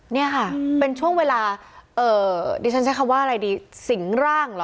นี่ค่ะเป็นช่วงเวลาดิฉันใช้คำว่าอะไรดีสิงร่างเหรอ